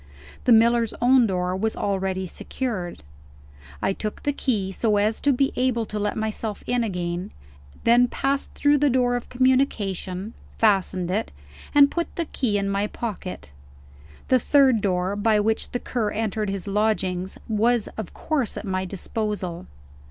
The miller's own door was already secured; I took the key, so as to be able to let myself in again then passed through the door of communication fastened it and put the key in my pocket. The third door, by which the Cur entered his lodgings, was of course at my disposal.